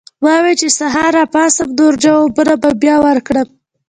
ما وې چې سحر راپاسم نور جوابونه به بیا ورکړم